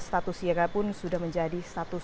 status siaga pun sudah menjadi status